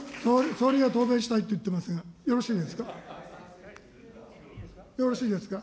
総理が答弁したいと言っていますが、よろしいですか。